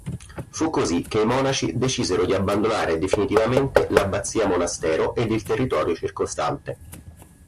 Fu così che i monaci decisero di abbandonare definitivamente l'abbazia–monastero ed il territorio circostante.